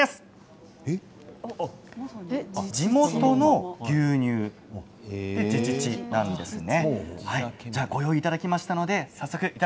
地元の牛乳で「地乳」なんですね。